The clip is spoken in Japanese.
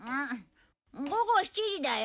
午後７時だよ。